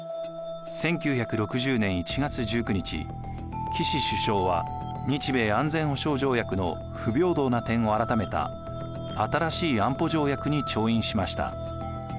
１９６０年１月１９日岸首相は日米安全保障条約の不平等な点を改めた新しい安保条約に調印しました。